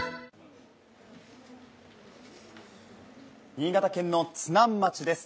新潟県の津南町です。